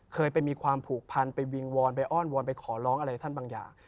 เคยไปมีความผูกพันไปวิงวอนไปอ้อนวอนไปขอร้องอะไรท่านบางอย่าง